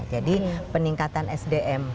jadi peningkatan sdm